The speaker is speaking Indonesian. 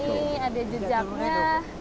ini ada jejaknya